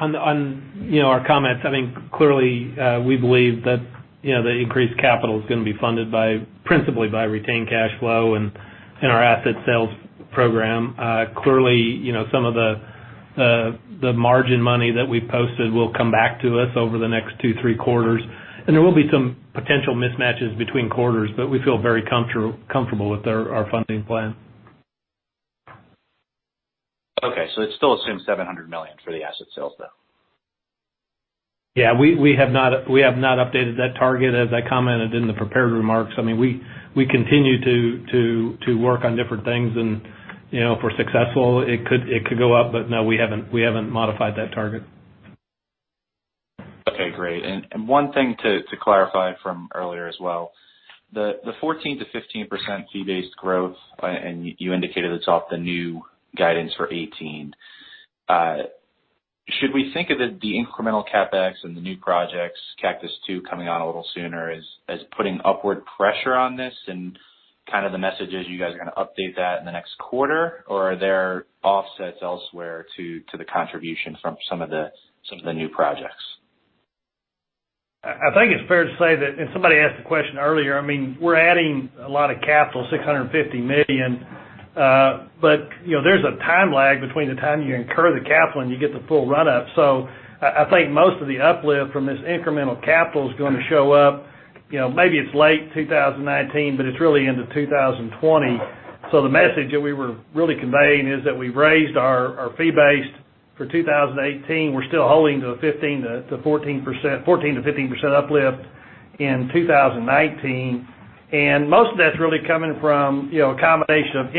On our comments, I think clearly we believe that the increased capital is going to be funded principally by retained cash flow and our asset sales program. Clearly, some of the margin money that we posted will come back to us over the next two, three quarters. There will be some potential mismatches between quarters, but we feel very comfortable with our funding plan. Okay. It still assumes $700 million for the asset sales, though? Yeah, we have not updated that target. As I commented in the prepared remarks, we continue to work on different things and if we're successful, it could go up, but no, we haven't modified that target. Okay, great. One thing to clarify from earlier as well, the 14%-15% fee-based growth, you indicated it's off the new guidance for 2018. Should we think of it, the incremental CapEx and the new projects, Cactus II coming on a little sooner, as putting upward pressure on this and kind of the message is you guys are going to update that in the next quarter, or are there offsets elsewhere to the contribution from some of the new projects? I think it's fair to say that, somebody asked the question earlier, we're adding a lot of capital, $650 million. There's a time lag between the time you incur the capital and you get the full run-up. I think most of the uplift from this incremental capital is going to show up, maybe it's late 2019, but it's really into 2020. The message that we were really conveying is that we've raised our fee-based for 2018. We're still holding to the 14%-15% uplift in 2019. Most of that's really coming from a combination of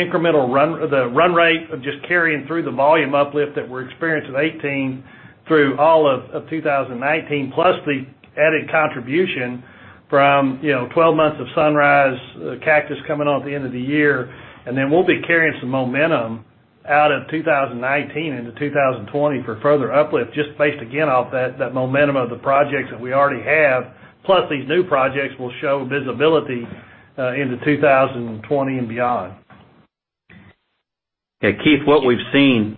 the run rate of just carrying through the volume uplift that we're experiencing 2018 through all of 2019, plus the added contribution from 12 months of Sunrise, Cactus coming on at the end of the year. We'll be carrying some momentum out of 2019 into 2020 for further uplift, just based again off that momentum of the projects that we already have. Plus, these new projects will show visibility into 2020 and beyond. Keith, what we've seen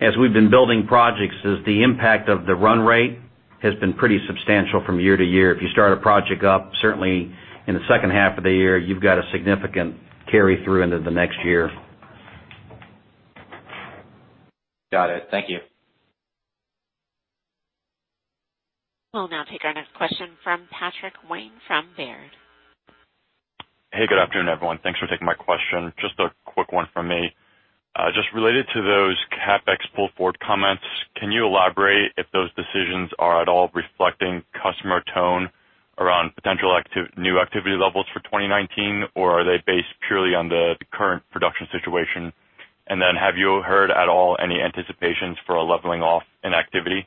as we've been building projects is the impact of the run rate has been pretty substantial from year to year. If you start a project up, certainly in the second half of the year, you've got a significant carry-through into the next year. Got it. Thank you. We'll now take our next question from Patrick Wang from Baird. Hey, good afternoon, everyone. Thanks for taking my question. Just a quick one from me. Just related to those CapEx pull forward comments, can you elaborate if those decisions are at all reflecting customer tone around potential new activity levels for 2019, or are they based purely on the current production situation? Then have you heard at all any anticipations for a leveling off in activity?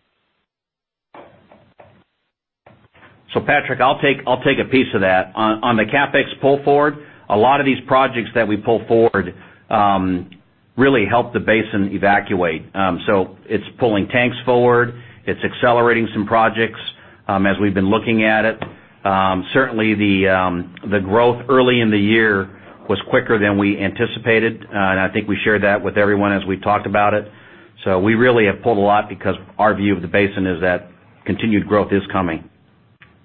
Patrick, I'll take a piece of that. On the CapEx pull forward, a lot of these projects that we pull forward really help the basin evacuate. It's pulling tanks forward. It's accelerating some projects as we've been looking at it. Certainly, the growth early in the year was quicker than we anticipated, and I think we shared that with everyone as we talked about it. We really have pulled a lot because our view of the basin is that continued growth is coming.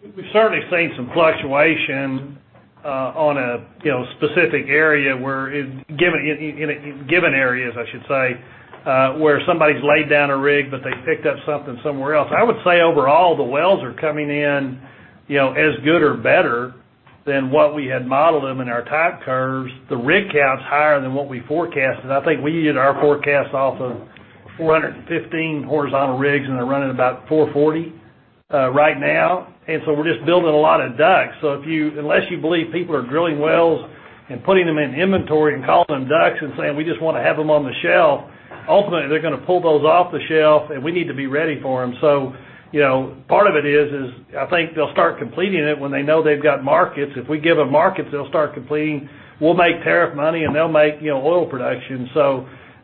We've certainly seen some fluctuation on a specific area in given areas, I should say, where somebody's laid down a rig, but they picked up something somewhere else. I would say overall, the wells are coming in as good or better than what we had modeled them in our type curves. The rig count's higher than what we forecasted. I think we did our forecast off of 415 horizontal rigs, they're running about 440 right now. We're just building a lot of ducks. Unless you believe people are drilling wells and putting them in inventory and calling them ducks and saying, "We just want to have them on the shelf," ultimately, they're going to pull those off the shelf, and we need to be ready for them. Part of it is, I think they'll start completing it when they know they've got markets. If we give them markets, they'll start completing. We'll make tariff money, and they'll make oil production.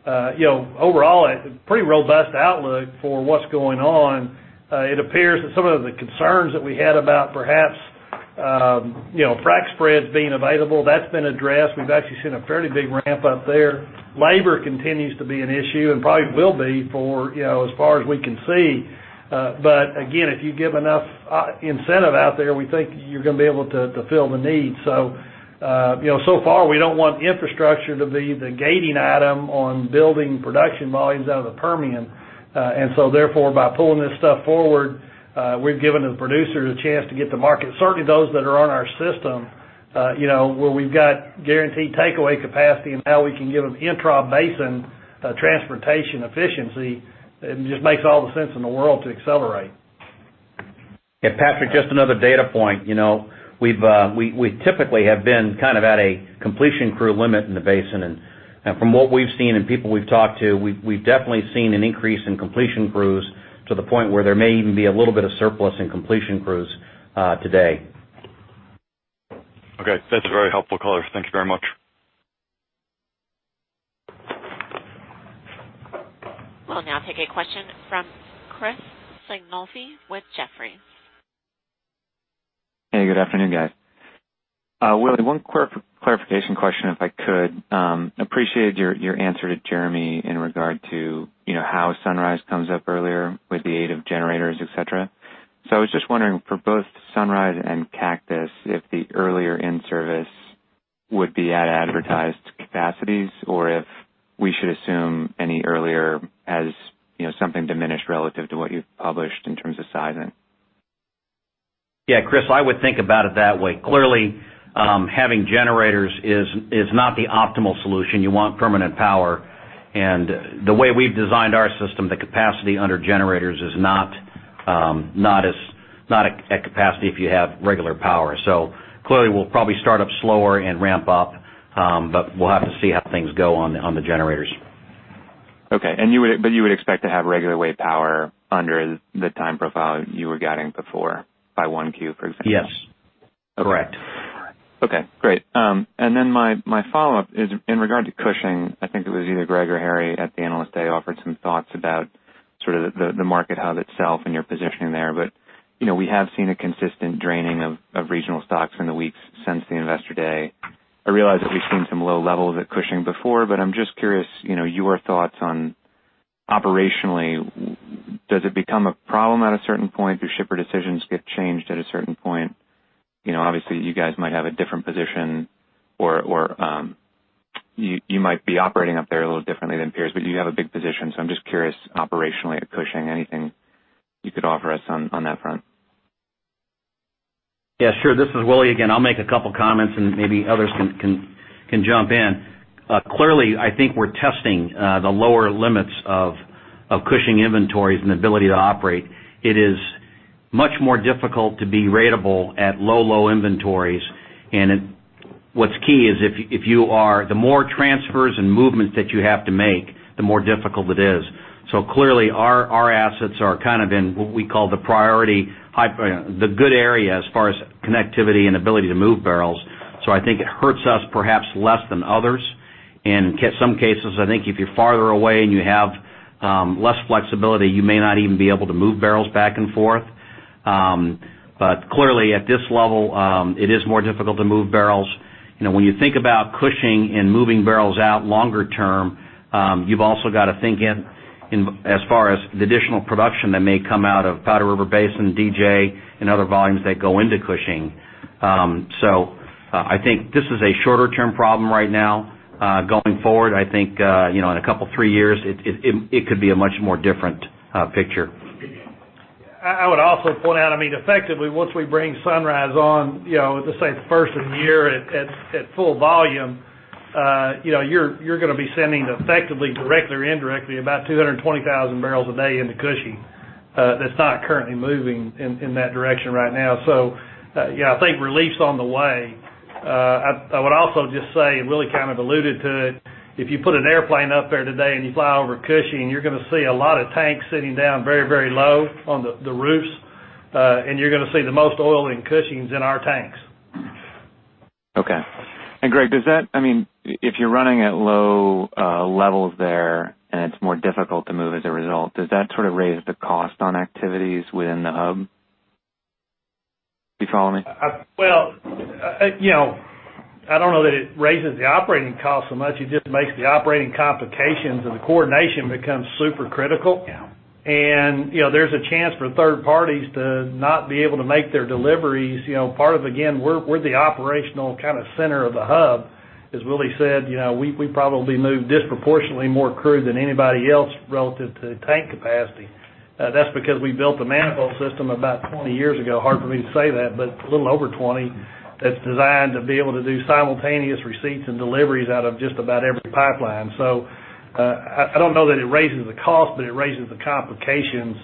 Overall, a pretty robust outlook for what's going on. It appears that some of the concerns that we had about perhaps frac spreads being available, that's been addressed. We've actually seen a fairly big ramp up there. Labor continues to be an issue and probably will be for as far as we can see. Again, if you give enough incentive out there, we think you're going to be able to fill the need. So far we don't want infrastructure to be the gating item on building production volumes out of the Permian. Therefore, by pulling this stuff forward, we've given the producers a chance to get to market. Certainly those that are on our system, where we've got guaranteed takeaway capacity and now we can give them intra-basin transportation efficiency, it just makes all the sense in the world to accelerate. Yeah, Patrick, just another data point. We typically have been kind of at a completion crew limit in the basin, and from what we've seen and people we've talked to, we've definitely seen an increase in completion crews to the point where there may even be a little bit of surplus in completion crews today. Okay. That's a very helpful color. Thank you very much. We'll now take a question from Chris Sighinolfi with Jefferies. Hey, good afternoon, guys. Willie, one clarification question if I could. Appreciated your answer to Jeremy in regard to how Sunrise comes up earlier with the aid of generators, et cetera. I was just wondering for both Sunrise and Cactus, if the earlier in-service would be at advertised capacities or if we should assume any earlier as something diminished relative to what you've published in terms of sizing? Yeah, Chris, I would think about it that way. Clearly, having generators is not the optimal solution. You want permanent power. The way we've designed our system, the capacity under generators is not at capacity if you have regular power. Clearly we'll probably start up slower and ramp up, but we'll have to see how things go on the generators. Okay. You would expect to have regular way power under the time profile you were guiding before by one Q, for example? Yes. Correct. Okay, great. My follow-up is in regard to Cushing. I think it was either Greg or Harry at the Analyst Day offered some thoughts about the market hub itself and your positioning there. We have seen a consistent draining of regional stocks in the weeks since the Investor Day. I realize that we've seen some low levels at Cushing before, but I'm just curious, your thoughts on operationally, does it become a problem at a certain point? Do shipper decisions get changed at a certain point? Obviously, you guys might have a different position or you might be operating up there a little differently than peers, but you have a big position. I'm just curious, operationally at Cushing, anything you could offer us on that front? Yeah, sure. This is Willie again. I'll make a couple of comments and maybe others can jump in. Clearly, I think we're testing the lower limits of Cushing inventories and ability to operate. It is much more difficult to be ratable at low inventories. What's key is the more transfers and movements that you have to make, the more difficult it is. Clearly, our assets are in what we call the priority, the good area as far as connectivity and ability to move barrels. I think it hurts us perhaps less than others. In some cases, I think if you're farther away and you have less flexibility, you may not even be able to move barrels back and forth. Clearly at this level, it is more difficult to move barrels. When you think about Cushing and moving barrels out longer term, you've also got to think in as far as the additional production that may come out of Powder River Basin, DJ, and other volumes that go into Cushing. I think this is a shorter-term problem right now. Going forward, I think in a couple three years, it could be a much more different picture. I would also point out, effectively, once we bring Sunrise on, let's say the first of the year at full volume, you're going to be sending effectively, directly or indirectly, about 220,000 barrels a day into Cushing. That's not currently moving in that direction right now. I think relief's on the way. I would also just say, Willie kind of alluded to it. If you put an airplane up there today and you fly over Cushing, you're going to see a lot of tanks sitting down very low on the roofs. You're going to see the most oil in Cushing is in our tanks. Okay. Greg, if you're running at low levels there and it's more difficult to move as a result, does that sort of raise the cost on activities within the hub? You follow me? Well, I don't know that it raises the operating cost so much. It just makes the operating complications and the coordination become super critical. Yeah. There's a chance for third parties to not be able to make their deliveries. Again, we're the operational center of the hub. As Willie said, we probably move disproportionately more crude than anybody else relative to tank capacity. That's because we built the manifold system about 20 years ago. Hard for me to say that, but a little over 20, that's designed to be able to do simultaneous receipts and deliveries out of just about every pipeline. I don't know that it raises the cost, but it raises the complications.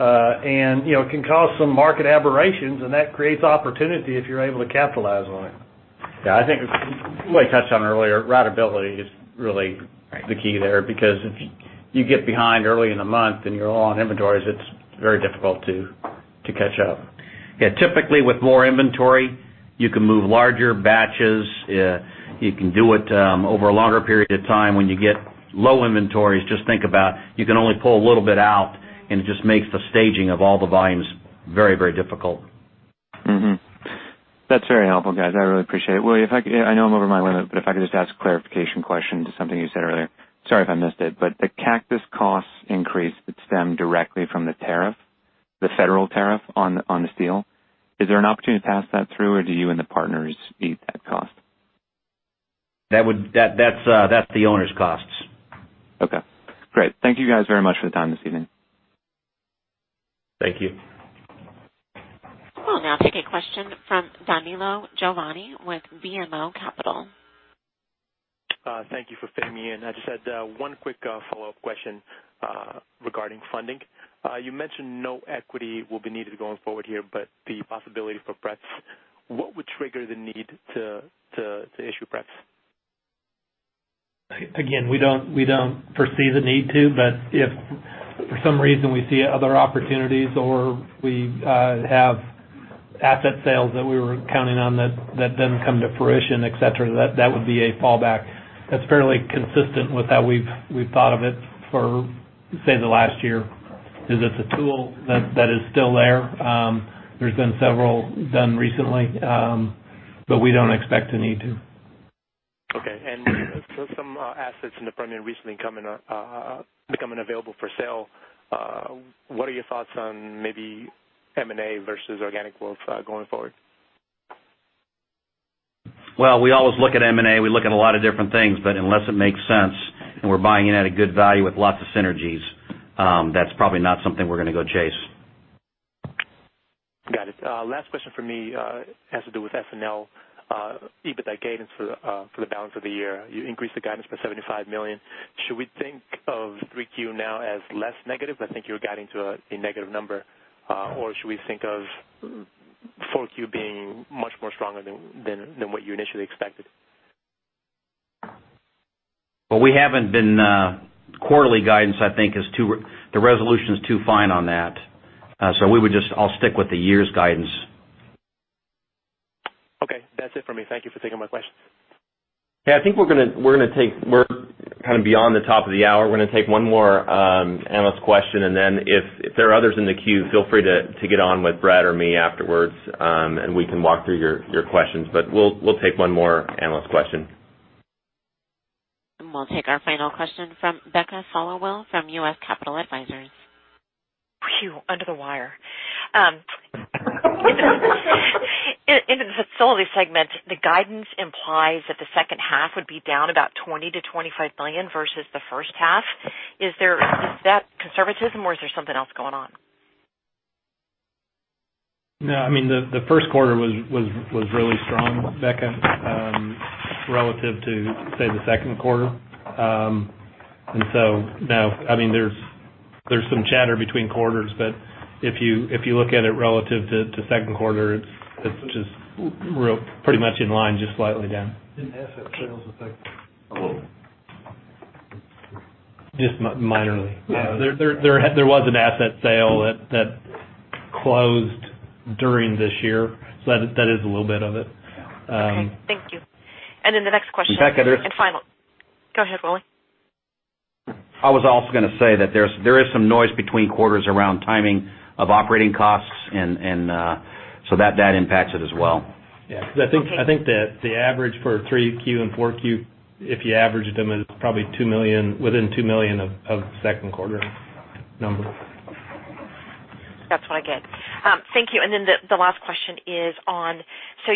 It can cause some market aberrations, and that creates opportunity if you're able to capitalize on it. Yeah, I think Willie touched on it earlier. Ratability is really the key there, because if you get behind early in the month and you're low on inventories, it's very difficult to catch up. Typically, with more inventory, you can move larger batches. You can do it over a longer period of time. When you get low inventories, just think about, you can only pull a little bit out, and it just makes the staging of all the volumes very difficult. That's very helpful, guys. I really appreciate it. Willie, I know I'm over my limit, but if I could just ask a clarification question to something you said earlier. Sorry if I missed it, but the Cactus cost increase that stemmed directly from the tariff, the federal tariff on the steel. Is there an opportunity to pass that through, or do you and the partners eat that cost? That's the owner's costs. Okay, great. Thank you guys very much for the time this evening. Thank you. We'll now take a question from Danilo Juvane with BMO Capital. Thank you for fitting me in. I just had one quick follow-up question regarding funding. You mentioned no equity will be needed going forward here, but the possibility for pref. What would trigger the need to issue pref? We don't foresee the need to, but if for some reason we see other opportunities or we have asset sales that we were counting on that didn't come to fruition, et cetera, that would be a fallback. That's fairly consistent with how we've thought of it for, say, the last year, is it's a tool that is still there. There's been several done recently, but we don't expect to need to. Okay. With some assets in the Permian recently becoming available for sale, what are your thoughts on maybe M&A versus organic growth going forward? Well, we always look at M&A. We look at a lot of different things, but unless it makes sense and we're buying in at a good value with lots of synergies, that's probably not something we're going to go chase. Got it. Last question from me has to do with S&L EBITDA guidance for the balance of the year. You increased the guidance by $75 million. Should we think of 3 Q now as less negative? I think you're guiding to a negative number. Should we think of 4 Q being much more stronger than what you initially expected? Well, we haven't been quarterly guidance, I think, the resolution is too fine on that. I'll stick with the year's guidance. Okay. That's it for me. Thank you for taking my question. Yeah, I think we're kind of beyond the top of the hour. We're going to take one more analyst question. If there are others in the queue, feel free to get on with Brad or me afterwards, and we can walk through your questions. We'll take one more analyst question. We'll take our final question from Becca Followill from U.S. Capital Advisors. Phew. Under the wire. In the facility segment, the guidance implies that the second half would be down about $20 million-$25 million versus the first half. Is that conservatism or is there something else going on? No, the first quarter was really strong, Becca, relative to, say, the second quarter. There's some chatter between quarters, if you look at it relative to second quarter, it's just pretty much in line, just slightly down. Didn't asset sales affect it at all? Just minorly. There was an asset sale that closed during this year, that is a little bit of it. Okay. Thank you. The next question. Becca, there's. Final. Go ahead, Willie. I was also going to say that there is some noise between quarters around timing of operating costs, and so that impacts it as well. Yeah. I think that the average for three Q and four Q, if you averaged them, it's probably within two million of second quarter numbers. That's what I get. Thank you. The last question is on,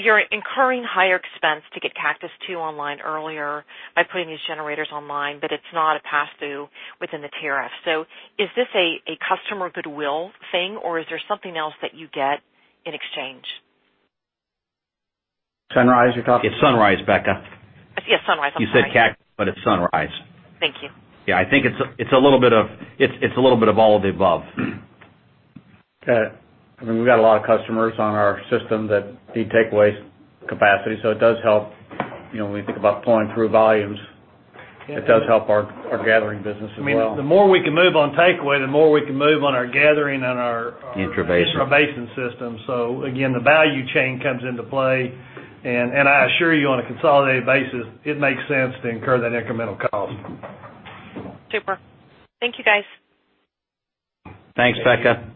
you're incurring higher expense to get Cactus II online earlier by putting these generators online, it's not a pass-through within the tariff. Is this a customer goodwill thing or is there something else that you get in exchange? Sunrise, you're talking? It's Sunrise, Becca. Yes, Sunrise. I'm sorry. You said Cactus, it's Sunrise. Thank you. Yeah, I think it's a little bit of all of the above. I mean, we've got a lot of customers on our system that need takeaway capacity, so it does help when we think about pulling through volumes. It does help our gathering business as well. I mean, the more we can move on takeaway, the more we can move on our gathering and. Intrabasin intrabasin system. Again, the value chain comes into play. I assure you, on a consolidated basis, it makes sense to incur that incremental cost. Super. Thank you, guys. Thanks, Becca.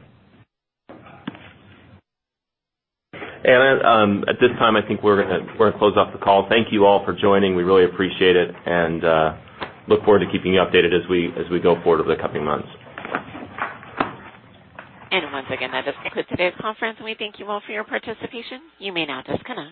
At this time, I think we're going to close off the call. Thank you all for joining. We really appreciate it, and look forward to keeping you updated as we go forward over the coming months. Once again, that does conclude today's conference, and we thank you all for your participation. You may now disconnect.